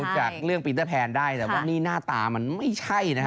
จากเรื่องปีเตอร์แพนได้แต่ว่านี่หน้าตามันไม่ใช่นะฮะ